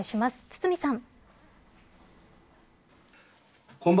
堤さん。